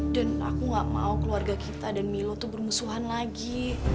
aku gak mau keluarga kita dan milo tuh bermusuhan lagi